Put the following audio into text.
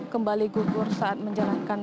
kembali gugur saat menjalankan